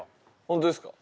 本当ですか？